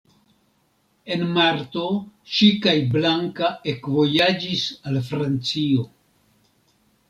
En marto ŝi kaj Blanka ekvojaĝis al Francio.